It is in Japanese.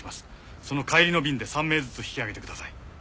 その帰りの便で３名ずつ引き揚げてください